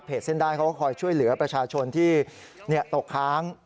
เส้นได้เขาก็คอยช่วยเหลือประชาชนที่ตกค้าง